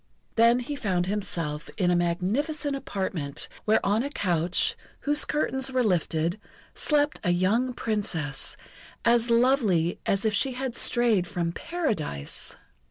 Then he found himself in a magnificent apartment where on a couch, whose curtains were lifted, slept a young Princess as lovely as if she had strayed from Paradise!